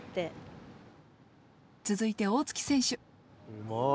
うまい。